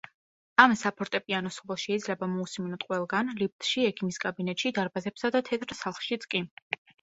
ამ საფორტეპიანო სოლოს შეიძლება მოუსმინოთ ყველგან, ლიფტში, ექიმის კაბინეტში, დარბაზებსა და თეთრ სახლშიც კი.